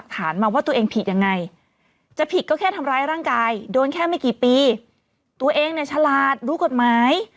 ตัวเองเนี่ยฉลาดรู้กฎหมาย